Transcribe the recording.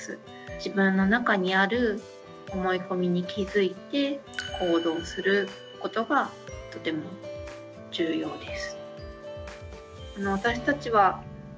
自分の中にある思い込みに気付いて行動することがとても重要です。